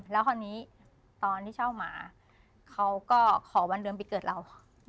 แล้วก็ตอนที่เช่ามาเขาก็ขอวันเรือนปีเกิดเรา